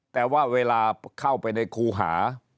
แต่ว่าเวลาเข้าไปในครูหา